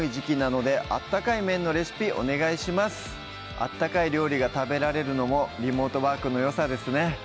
温かい料理が食べられるのもリモートワークのよさですね